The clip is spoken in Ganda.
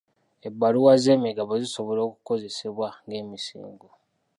Ebbaluwa z'emigabo zisobola okukozesebwa ng'emisingo?